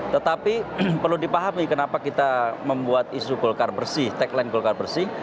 tetapi perlu dipahami kenapa kita membuat isu golkar bersih tagline golkar bersih